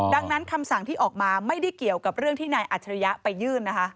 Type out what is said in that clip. ดังนั้นคำสั่งที่ออกมาไม่ได้เกี่ยวกับเรื่องที่นายอัจฉริยะไปยื่นนะคะ